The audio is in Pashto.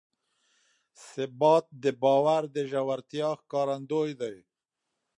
ثبات د باور د ژورتیا ښکارندوی دی.